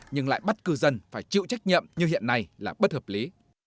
nhưng lại bắt cư dân phải chịu trách nhiệm như hiện nay là bất hợp lý